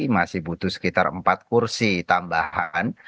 masih butuh sekitar empat kursi tambahan